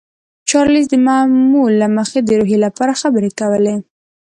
چارلیس د معمول له مخې د روحیې لپاره خبرې کولې